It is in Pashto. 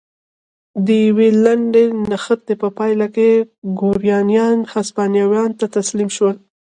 د یوې لنډې نښتې په پایله کې ګورانیان هسپانویانو ته تسلیم شول.